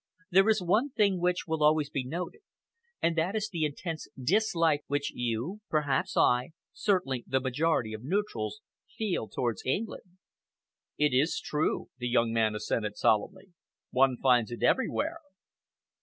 There is one thing which will always be noted, and that is the intense dislike which you, perhaps I, certainly the majority of neutrals, feel towards England." "It is true," the young man assented solemnly. "One finds it everywhere."